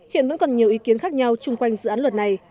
hiện vẫn còn nhiều ý kiến khác nhau chung quanh dự án luật này